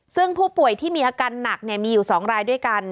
ซึ่งผู้ป่วยที่มีอาการหนักมีอยู่๒รายด้วยกัน